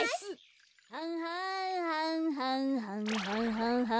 ははんはんはんはんはんはんはん。